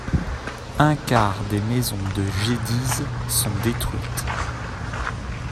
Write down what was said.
Un quart des maisons de Gediz sont détruites.